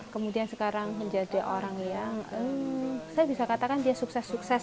kemudian sekarang menjadi orang yang saya bisa katakan dia sukses sukses